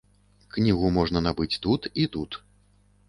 Кнігу можна набыць тут і тут.